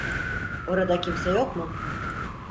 Orada kimse yok mu?